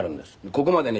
ここまでね